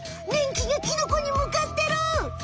ねん菌がキノコにむかってる！